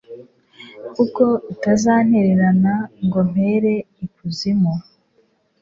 kuko utazantererana ngo mpere ikuzimu